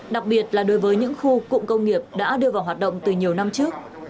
đặc biệt là đối với những khu cụm công nghiệp đã đưa vào hoạt động từ nhiều năm trước